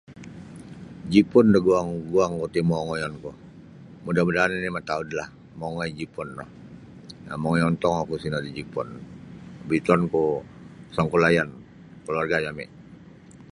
Jipun daguang-guangku ti mau' ongoiyonku muda-mudaan oni' mataudlah mongoi da Jipun no mongoi ontong oku sino da Jipun bitonku sangkulayan kaluarga' jami'.